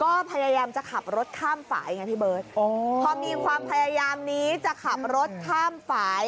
ก็พยายามจะขับรถข้ามฝ่ายไงพี่เบิร์ตอ๋อพอมีความพยายามนี้จะขับรถข้ามฝ่าย